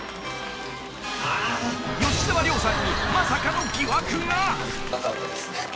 ［吉沢亮さんにまさかの疑惑が］